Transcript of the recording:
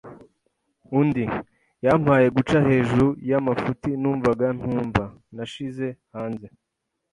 undi, yampaye guca hejuru y'amafuti numvaga ntumva. Nashize hanze